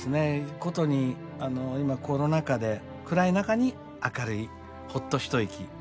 ことに今コロナ禍で暗い中に明るいほっと一息を届けるようなね